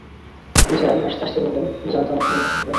নিসার আলি হাসতে-হাসতে বললেন, আমি জানতাম আপনি এই কথা বলবেন।